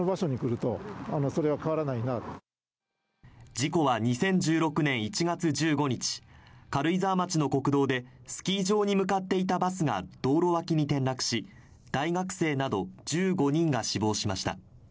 事故は２０１６年１月１５日、軽井沢町の国道でスキー場に向かっていたバスが道路脇に転落し大学生など１５人が死亡しました。